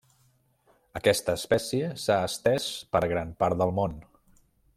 Aquesta espècie s'ha estès per gran part del món.